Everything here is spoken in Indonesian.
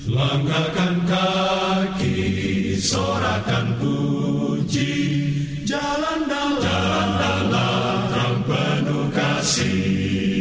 langgakan kaki sorakan puji jalan dalam perang penuh kasih